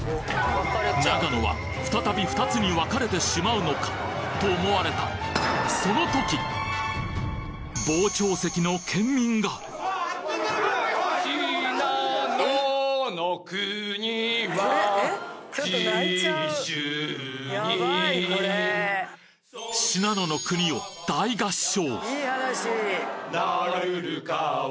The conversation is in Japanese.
長野は再び２つに分かれてしまうのかと思われた信濃の国は十州に『信濃の国』を大合唱